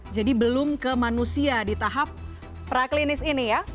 jadi belum ke manusia di tahap praklinis ini ya